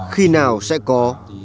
khi nào sẽ có